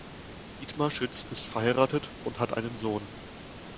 Dietmar Schütz ist verheiratet und hat einen Sohn.